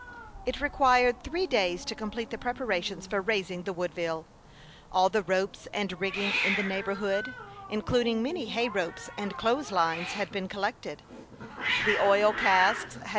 It required three days to complete the preparations for raising the Woodville. All the ropes and rigging in the neighborhood, including many hay ropes and clothes lines, had been collected ; the oil casks had THE YOUNG PILOT OF LAKE CHAMPLAIN.